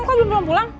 kok belum pulang pulang